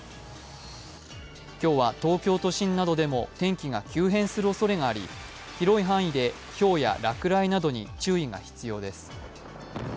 今日は東京都心などでも天気が急変するおそれがあり広い範囲でひょうや落雷などに注意が必要です。